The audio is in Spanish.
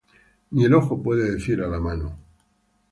Ni el ojo puede decir á la mano: